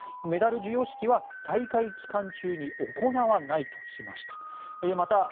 メダル授与式は大会期間中に行わないとしました。